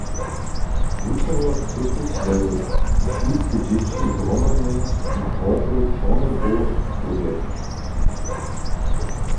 Wučerjo chcychu swoje šulske dźěći zhromadnje na horu Čornobóh dowjesć.